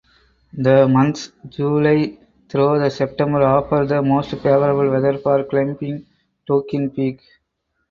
The months July through September offer the most favorable weather for climbing Tolkien Peak.